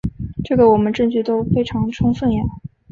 这个我们证据都非常充分呀。